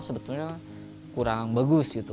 sebetulnya kurang bagus gitu